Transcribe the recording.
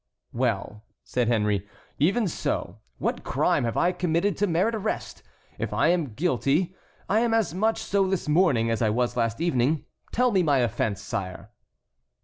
"Well," said Henry, "even so. What crime have I committed to merit arrest? If I am guilty I am as much so this morning as I was last evening. Tell me my offence, sire."